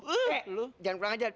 eh lu jangan kurang ajat